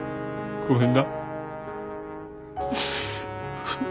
ごめんな。